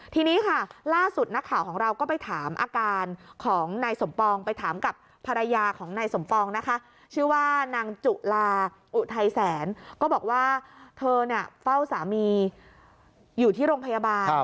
ทีนี้ค่ะล่าสุดนักข่าวของเราก็ไปถามอาการของนายสมปองไปถามกับภรรยาของนายสมปองนะคะชื่อว่านางจุลาอุทัยแสนก็บอกว่าเธอเนี่ยเฝ้าสามีอยู่ที่โรงพยาบาล